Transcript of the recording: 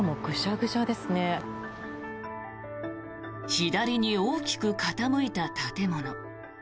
左に大きく傾いた建物。